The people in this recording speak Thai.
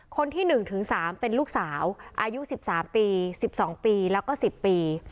คนที่หนึ่งถึงสามเป็นลูกสาวอายุสิบสามปีสิบสองปีแล้วก็สิบปี